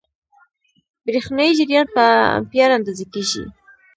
برېښنايي جریان په امپیر اندازه کېږي.